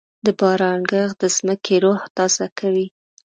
د باران ږغ د ځمکې روح تازه کوي.